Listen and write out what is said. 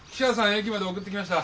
駅まで送ってきました。